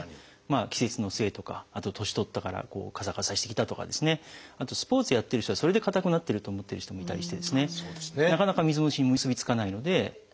季節のせいとかあと年取ったからカサカサしてきたとかあとスポーツやってる人はそれでかたくなってると思ってる人もいたりなかなか水虫に結び付かないので。